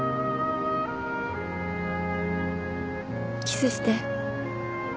キスして。